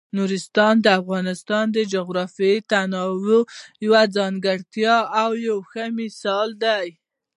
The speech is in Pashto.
نورستان د افغانستان د جغرافیوي تنوع یو څرګند او ښه مثال دی.